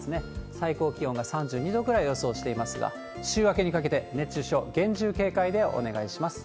最高気温が３２度ぐらいを予想していますが、週明けにかけて熱中症、厳重警戒でお願いします。